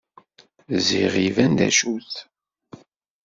Ziɣ iban d acu-t.